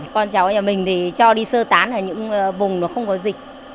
con cháu nhà mình thì cho đi sơ tán ở những vùng mà không có dịch